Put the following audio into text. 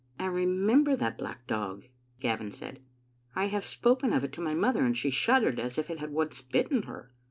"I remember that black dog," Gavin said. "I have spoken of it to my mother, and she shuddered, as if it had once bitten her."